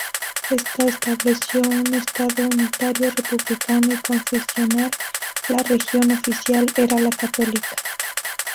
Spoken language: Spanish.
Esta estableció un Estado unitario, republicano y confesional; la religión oficial era la católica.